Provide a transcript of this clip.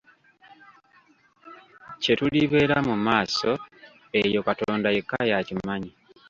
Kyetulibeera mu mu maaso eyo Katonda yekka y'akimanyi.